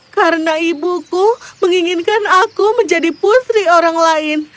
karena ibuku menginginkan aku menjadi putri orang lain